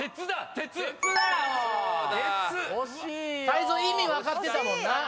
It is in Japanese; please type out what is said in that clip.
「てつ」泰造意味分かってたもんな。